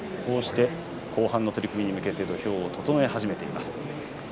後半の取組に向けて土俵を整え始めています。